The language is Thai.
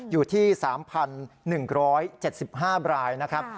อยู่ที่๓๑๗๕รายนะครับ